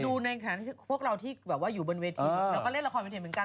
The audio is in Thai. ดูในขณะพวกเราที่แบบว่าอยู่บนเวทีเราก็เล่นละครเวทีเหมือนกัน